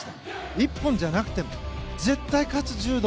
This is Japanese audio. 一本じゃなくても絶対勝つ柔道